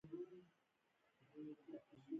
انحصاراتو یو لېست ولوستل شو.